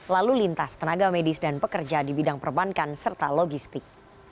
lalu lintas tenaga medis dan pekerja di bidang perbankan serta logistik